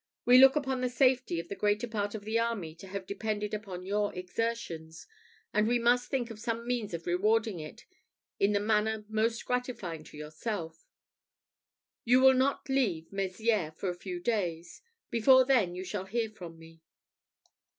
We look upon the safety of the greater part of the army to have depended upon your exertions, and we must think of some means of rewarding it in the manner most gratifying to yourself. You will not leave Mezières for a few days before then you shall hear from me."